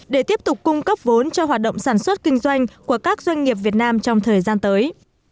để tiếp tục cung cấp vốn cho hoạt động sản xuất kinh doanh của các doanh nghiệp việt nam trong thời gian tới